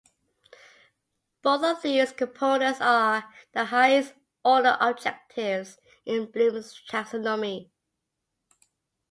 Both of these components are the highest order objectives in Bloom's Taxonomy.